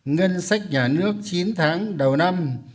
ngân sách nhà nước chín tháng đầu năm